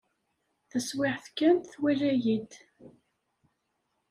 Taswiɛt kan, twala-iyi-d.